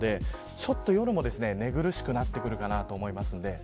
ちょっと夜も寝苦しくなってくるかなと思います。